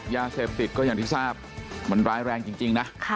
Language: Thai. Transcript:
ยาเสพติดก็อย่างที่ทราบมันร้ายแรงจริงนะ